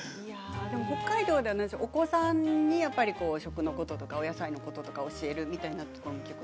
北海道でお子さんに食のこととかお野菜のことを教えるっていうのは？